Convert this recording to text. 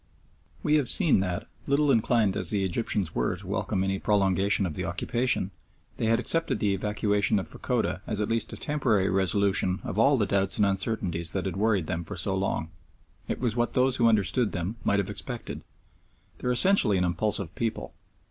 We have seen that, little inclined as the Egyptians were to welcome any prolongation of the occupation, they had accepted the evacuation of Fachoda as at least a temporary resolution of all the doubts and uncertainties that had worried them for so long. It was what those who understand them might have expected. They are essentially an impulsive people.